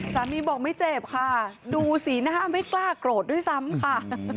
สามีบอกไม่เจ็บค่ะดูสีหน้าไม่กล้าโกรธด้วยซ้ำค่ะ